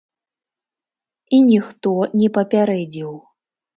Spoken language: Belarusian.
І ніхто не папярэдзіў.